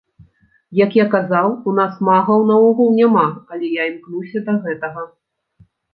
Як я казаў, у нас магаў наогул няма, але я імкнуся да гэтага.